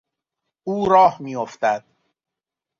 او راه میافتد.